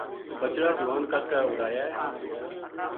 بچڑا جوان کر کے اُڈیا ہے